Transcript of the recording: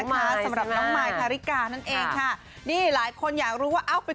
น้องมายสำหรับน้องมายคลาโลกราศนั่นเองค่ะนี่หลายคนอยากรู้ว่าเอ้าไป